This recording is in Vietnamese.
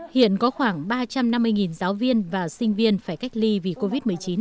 hiện có khoảng ba trăm năm mươi giáo viên và sinh viên phải cách ly vì covid một mươi chín